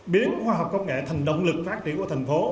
biến khoa học công nghệ thành động lực phát triển của thành phố